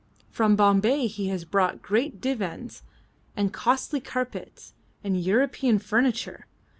From Bombay he has brought great divans, and costly carpets, and European furniture.